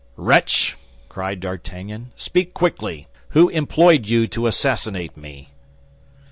"Wretch," cried D'Artagnan, "speak quickly! Who employed you to assassinate me?"